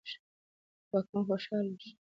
واکمن خوشاله شو.